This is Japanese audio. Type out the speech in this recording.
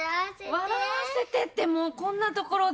笑わせてってもうこんな所でもう。